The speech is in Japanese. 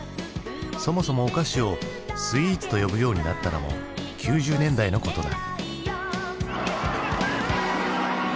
そもそもお菓子を「スイーツ」と呼ぶようになったのも９０年代のことだ。